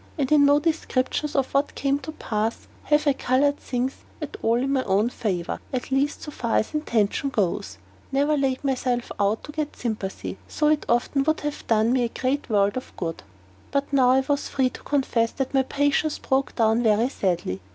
And in no description of what came to pass have I colored things at all in my own favor at least so far as intention goes neither laid myself out to get sympathy, though it often would have done me a world of good. But now I am free to confess that my patience broke down very sadly.